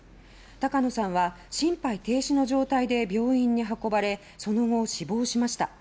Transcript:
高野さんは心肺停止の状態で病院に運ばれその後、死亡しました。